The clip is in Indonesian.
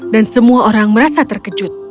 dan semua orang merasa terkejut